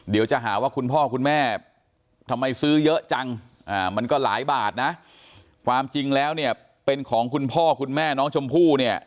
เดี๋ยวจะหาว่าคุณพ่อคุณแม่ทำไมซื้อเยอะจังมันก็หลายบาทนะความจริงแล้วเนี่ยเป็นของคุณพ่อคุณแม่น้องชมพู่เนี่ย